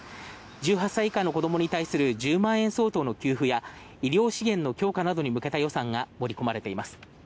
１８歳以下の子どもに対する１０万円相当の給付や医療資源の強化に向けた支援が盛り込まれています。